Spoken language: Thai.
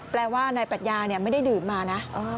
แปลว่านายปรัชญาไม่ได้ดื่มมานะ